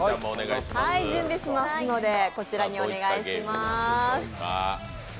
準備しますのでこちらにお願いします。